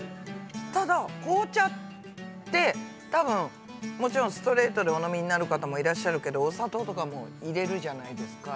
ただ紅茶ってたぶんもちろんストレートでお飲みになる方もいらっしゃるけどお砂糖とかも入れるじゃないですか。